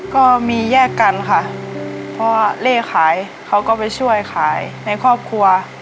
ก็มีแยกกันค่ะเพราะว่าเล่ขายเขาก็ไปช่วยขายในครอบครัว